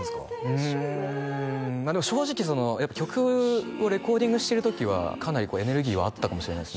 うんでも正直曲をレコーディングしてる時はかなりエネルギーはあったかもしれないですね